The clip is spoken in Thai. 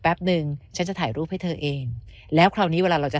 แป๊บนึงฉันจะถ่ายรูปให้เธอเองแล้วคราวนี้เวลาเราจะ